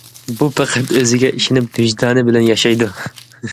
ئۇ پەقەت ئۆزىگە ئىشىنىپ، ۋىجدانى بىلەن ياشايدۇ.